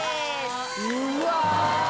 うわ！